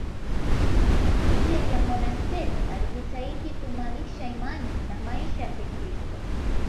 Nje ya monasteri alijitahidi kuimarisha imani na maisha ya Kikristo.